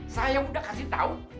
saya udah kasih tau